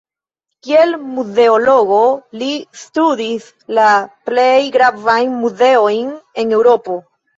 Kiel muzeologo li studis la plej gravajn muzeojn en Eŭropo.